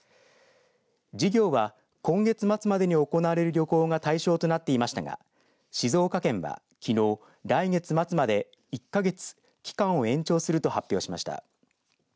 事業は今月末までに行われる旅行が対象となっていましたが静岡県は、きのう来月末まで１か月、期間を延長すると発表しました。